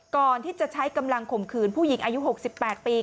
ก่อนที่จะใช้กำลังข่มขืนผู้หญิงอายุ๖๘ปี